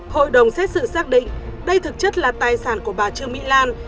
hội đồng xét xử xác định đây thực chất là tài sản của bà trương mỹ lan